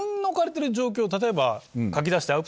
例えば書き出して。